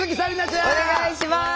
お願いします！